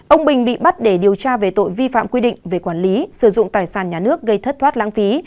ông bình bị bắt để điều tra về tội vi phạm quy định về quản lý sử dụng tài sản nhà nước gây thất thoát lãng phí